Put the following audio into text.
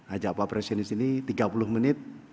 ajak pak presiden di sini tiga puluh menit